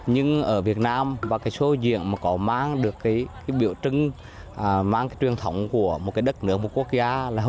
nhưng ở việt nam và cái show diện mà có mang được cái biểu trưng mang cái truyền thống của một cái đất nước một quốc gia